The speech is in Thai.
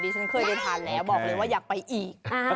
ฉันเคยได้ทานแล้วบอกเลยว่าอยากไปอีก